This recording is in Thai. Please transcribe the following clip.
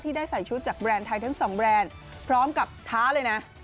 ได้ใส่ชุดจากแบรนด์ไทยทั้งสองแบรนด์พร้อมกับท้าเลยนะ